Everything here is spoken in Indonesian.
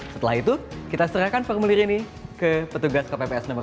setelah itu kita serahkan formulir ini ke petugas kpps nomor satu